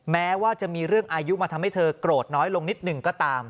แม้ว่าจะมีเรื่องอายุมาทำให้เธอโกรธน้อยลงนิดหนึ่งก็ตาม